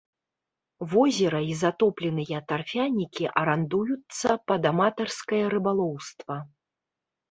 Возера і затопленыя тарфянікі арандуюцца пад аматарскае рыбалоўства.